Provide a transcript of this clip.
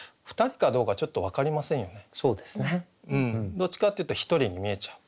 どっちかっていうと１人に見えちゃう。